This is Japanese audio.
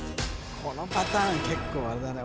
このパターン結構あれだね